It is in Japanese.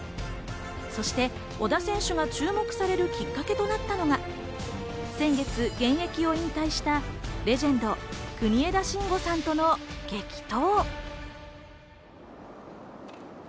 そして小田選手が注目されるきっかけとなったのが先月、現役を引退したレジェンド・国枝慎吾さんとの激闘。